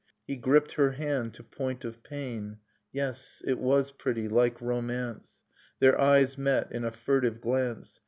He gripped her hand to point of pain. Yes, it was pretty ... like romance ... Their eyes met, in a furtive glance.